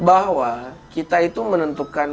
bahwa kita itu menentukan